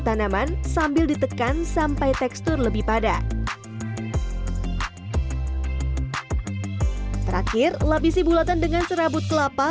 tanaman sambil ditekan sampai tekstur lebih padat terakhir lapisi bulatan dengan serabut kelapa